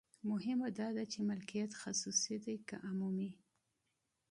مهمه دا ده چې مالکیت خصوصي دی که عمومي.